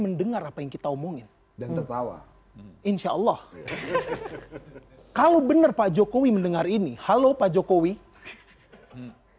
mendengar apa yang kita omongin dan tertawa insyaallah kalau bener pak joko ibu mendengar ini halo pak joko ibu